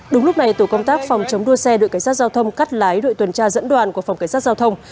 đúng lúc này tổ công tác phòng chống đua xe đội cảnh sát giao thông cắt lái đội tuần tra dẫn đoàn của phòng cảnh sát giao thông